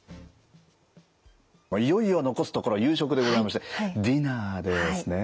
いよいよ残すところ夕食でございましてディナーですね。